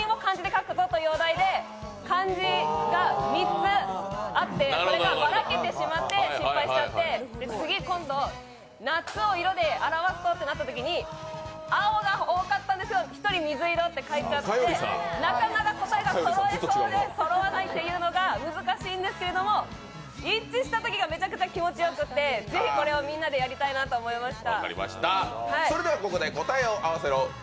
漢字が３つあって、それがばらけてしまって失敗しちゃって、次、夏を色で表すとってなったときに青が多かったんですけど１人、水色って書いちゃってなかなか答えが、そろいそうでそろわないというのが難しいんですけど、一致したときがめちゃくちゃ気持ちよくって是非これをみんなでやりたいなと思いました。